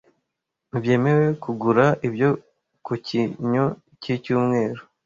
ntibyemewe kugura ibyo ku Cyinyo Cyicyumweru